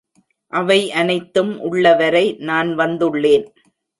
அவை அனைத்தும் உள்ளவரை நான் வந்துள்ளேன்.